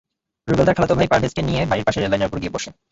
রুবেল তার খালাতো ভাই পারভেজকে নিয়ে বাড়ির পাশে রেললাইনের ওপর গিয়ে বসে।